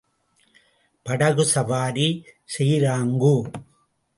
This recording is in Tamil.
படகு சவாரி செய்ராங்கோ.